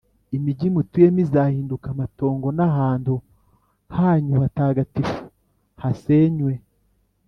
Imigi mutuyemo izahinduka amatongo n’ahantu hanyu hatagatifu hasenywe